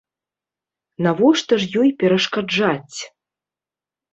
Навошта ж ёй перашкаджаць.